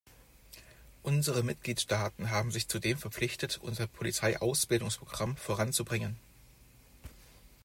Unsere Mitgliedstaaten haben sich zudem verpflichtet, unser Polizeiausbildungsprogramm voranzubringen.